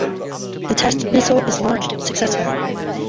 The test missile is launched successfully.